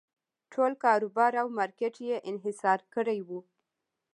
ټول کاروبار او مارکېټ یې انحصار کړی و.